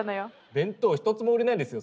弁当ひとつも売れないですよ。